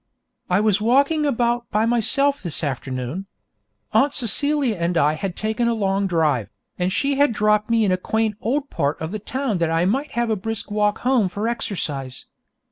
I was walking about by myself this afternoon. Aunt Celia and I had taken a long drive, and she had dropped me in a quaint old part of the town that I might have a brisk walk home for exercise.